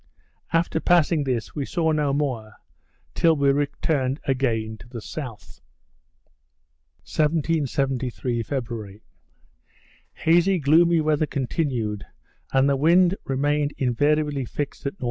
After passing this, we saw no more, till we returned again to the south. 1773 February Hazy gloomy weather continued, and the wind remained invariably fixed at N.W.